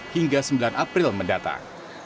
hingga sembilan april mendatang